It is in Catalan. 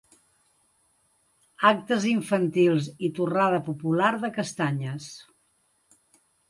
Actes infantils i torrada popular de castanyes.